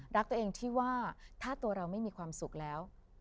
รักตัวเองที่ว่าถ้าตัวเราไม่มีความสุขแล้ว